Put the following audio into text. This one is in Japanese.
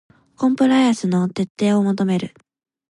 コンプライアンスの徹底を求める